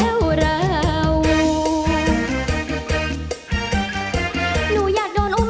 หนูอยากโดนอุ้มหนูอยากโดนอุ้ม